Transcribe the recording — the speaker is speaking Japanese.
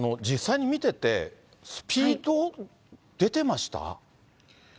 実際に見てて、スピード出てました？